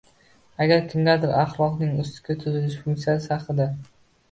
Agar kimgadir axloqning “ustki tuzilishi” funksiyasi haqidagi